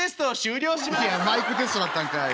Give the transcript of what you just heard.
「いやマイクテストだったんかい！